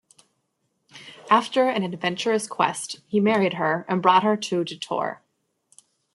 After an adventurous quest, he married her and brought her to Chittor.